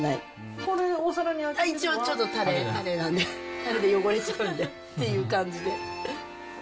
これ、一応ちょっとたれなんで、たれで汚れちゃうんでっていう感じで。